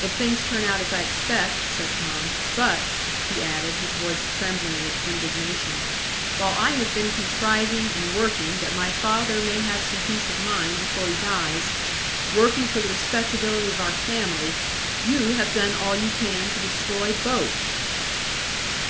"If things turn out as I expect," said Tom. "But," he added, his voice trembling with indignation, "while I have been contriving and working that my father may have some peace of mind before he dies,—working for the respectability of our family,—you have done all you can to destroy both."